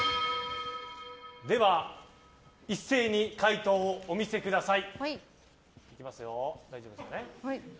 では一斉に回答をお見せください。